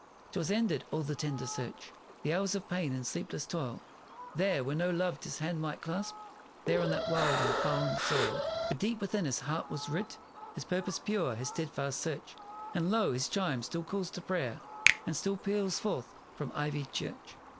'Twas ended all the tender search; The hours of pain and sleepless toil; There, where no loved his hand might clasp; There, on that wild and foreign soil. But deep within his heart was writ His purpose pure; his steadfast search. And lo! his chime still calls to prayer, And still peals forth from ivied church.